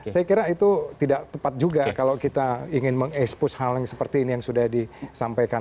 saya kira itu tidak tepat juga kalau kita ingin mengekspos hal yang seperti ini yang sudah disampaikan